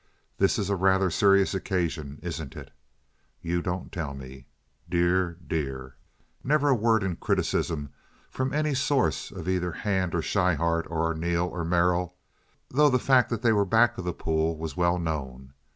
"This is a rather serious occasion, isn't it?" "You don't tell me!" "Dear, dear!" Never a word in criticism from any source of either Hand or Schryhart or Arneel or Merrill, though the fact that they were back of the pool was well known.